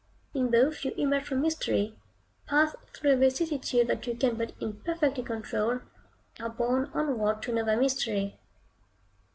In both you emerge from mystery, pass through a vicissitude that you can but imperfectly control, and are borne onward to another mystery.